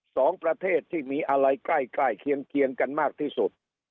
สองประเทศที่มีอะไรใกล้ใกล้เคียงกันมากที่สุด